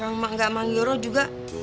orang mak nggak panggil roh juga